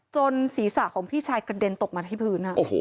ศีรษะของพี่ชายกระเด็นตกมาที่พื้น